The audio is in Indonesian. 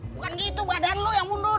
bukan gitu badan lo yang mundur